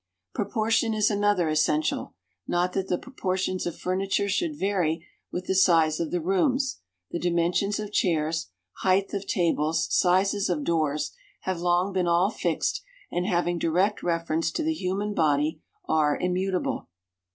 Proportion is another essential. Not that the proportions of furniture should vary with the size of the rooms: the dimensions of chairs, height of tables, sizes of doors, have long been all fixed and, having direct reference to the human body, are immutable.